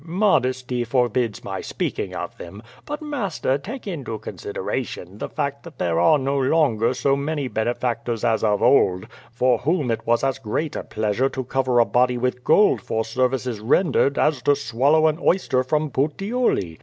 "Modesty forbids my speaking of them. But, master, take into consideration the fact that there are no longer so many benefactors as of old, for whom it was as great a pleasure to cover a body with gold for services rendei^ as to swallow an oyster from Puteoli.